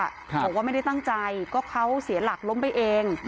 บอกว่าไม่ได้ตั้งใจก็เขาเสียหลักล้มไปเอง